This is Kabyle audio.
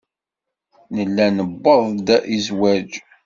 Nella nuweḍ-d i zzwaj.